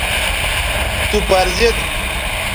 تو پر زید